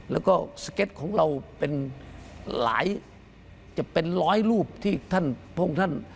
แล้วก็สเก็ตของเราเป็นหลายจะเป็นร้อยรูปที่พวกนั้น